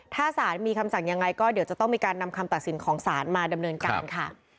ถ้าสารมีคำสั่งยังไงก็เดี๋ยวจะต้องมีการนำคำตัดสินของศาลมาดำเนินการค่ะ